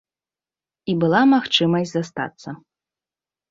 І была магчымасць застацца.